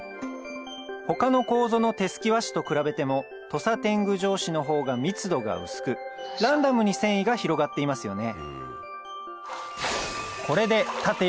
他のコウゾの手漉き和紙と比べても土佐典具帖紙の方が密度が薄くランダムに繊維が広がっていますよね